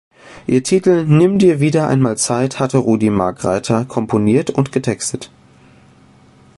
Ihr Titel "Nimm dir wieder einmal Zeit" hatte Rudi Margreiter komponiert und getextet.